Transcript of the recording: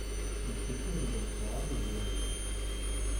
Yessefk ad wennteɣ amagrad-a.